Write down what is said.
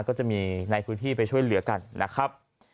ก็จะมีในพื้นที่ไปช่วยเหลือกันนะครับ